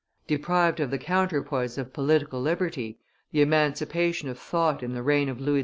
Deprived of the counterpoise of political liberty, the emancipation of thought in the reign of Louis XV.